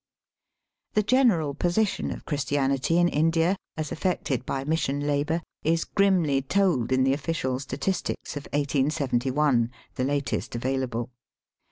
The general position of Christianity in India as affected by mission labour is grimly told in the official statistics of 1871, the latest available.